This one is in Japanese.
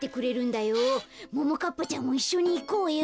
ももかっぱちゃんもいっしょにいこうよ。